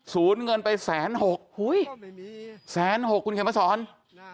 สูญเงินไปแสนหกหุ้ยแสนหกคุณเข็มมาสอนอ่า